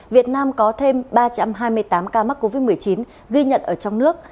việt nam có thêm ba trăm hai mươi tám ca mắc covid một mươi chín ghi nhận ở trong nước